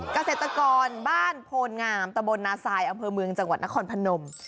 เกษตรกรบ้านโพนงามตะบลนาซายอำเภอเมืองจังหวัดนครพนม